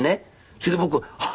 それで僕あっ！